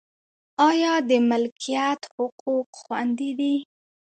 آیا د ملکیت حقوق خوندي دي؟